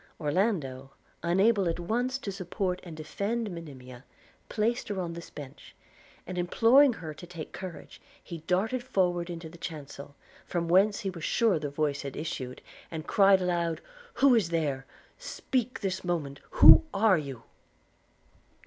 Orlando, unable at once to support and defend Monimia, placed her on this bench; and imploring her to take courage, he darted forward into the chancel, from whence he was sure the voice had issued, and cried aloud, 'Who is there? Speak this moment. Who are you?'